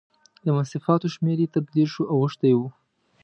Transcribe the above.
د مصنفاتو شمېر یې تر دېرشو اوښتی و.